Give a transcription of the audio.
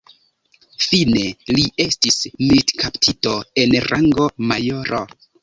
Fine li estis militkaptito en rango majoro.